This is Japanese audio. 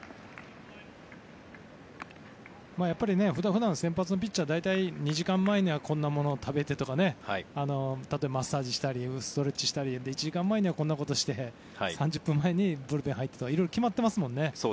普段先発のピッチャーは２時間前にはこんなものを食べてとか例えばマッサージしたりストレッチしたり１時間前にはこんなことをして３０分前にブルペンに入ってと決まってますからね。